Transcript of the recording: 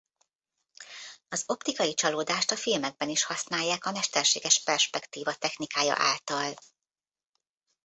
Az optikai csalódást a filmekben is használják a mesterséges perspektíva technikája által.